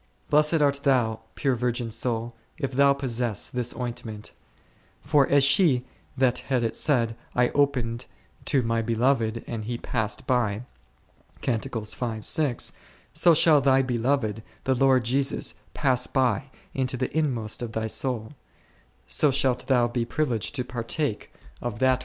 Blessed art thou, pure virgin soul, if thou possess this ointment ; for as she that had it said, / opened to my Beloved and He passed by a , so shall thy Beloved, the Lord Jesus, pass by into the inmost of thy soul ; so shalt thou be privileged to partake of that which y Dan.